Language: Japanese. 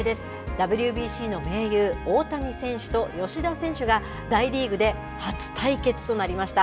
ＷＢＣの盟友、大谷選手と吉田選手が、大リーグで初対決となりました。